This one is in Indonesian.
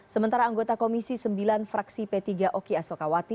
sementara anggota komisi sembilan fraksi p tiga oki asokawati